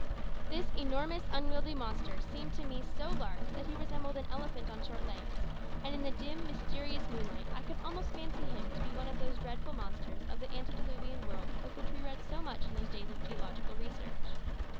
This enormous unwieldy monster seemed to me so large that he resembled an elephant on short legs, and in the dim, mysterious moonlight I could almost fancy him to be one of those dreadful monsters of the antediluvian world of which we read so much in these days of geological research.